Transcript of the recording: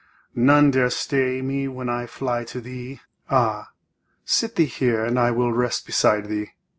None dare stay me when I fly to thee. Ah, sit thee here, and I will rest beside thee.